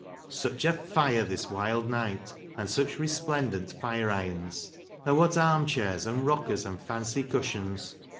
Such a fire this wild night, and such re splendent fire irons ! And what arm chairs and rockers and fancy cushions